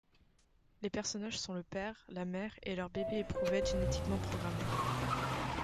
Les personnages sont le père, la mère et leurs bébés-éprouvettes génétiquement programmés.